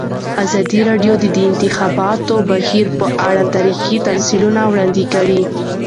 ازادي راډیو د د انتخاباتو بهیر په اړه تاریخي تمثیلونه وړاندې کړي.